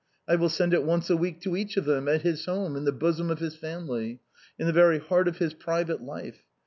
I will send it once a week to each of them, at his home in the bosom of his family; in the very heart of his private life.